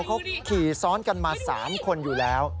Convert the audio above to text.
เขาขี่ซ้อนกันมา๓คนอยู่แล้ว